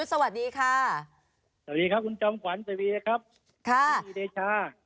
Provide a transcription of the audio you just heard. สวัสดีครับครูปีชา